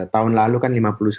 tahun lalu kan lima